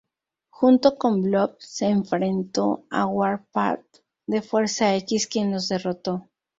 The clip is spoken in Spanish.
Junto con Blob, se enfrentó a Warpath de Fuerza-X, quien los derrotó.